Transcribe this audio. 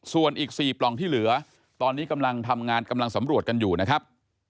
ส่วนอีก๔ปล่องที่เหลือตอนนี้กำลังทำงานกำลังสำรวจกันอยู่นะครับ